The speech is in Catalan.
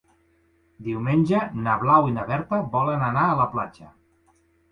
Diumenge na Blau i na Berta volen anar a la platja.